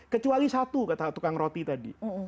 kecuali satu kata tukang roti tadi